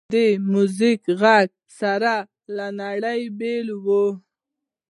د میوزیک ږغ سړی له نړۍ بېلوي.